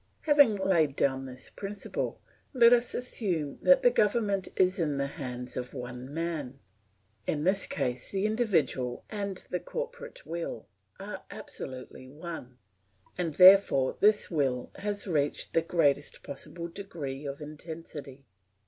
Having laid down this principle, let us assume that the government is in the hands of one man. In this case the individual and the corporate will are absolutely one, and therefore this will has reached the greatest possible degree of intensity.